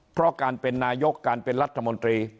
เพราะการเป็นนายกการเป็นรัฐมนตรี